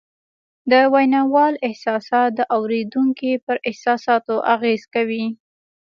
د ویناوال احساسات د اورېدونکي پر احساساتو اغېز کوي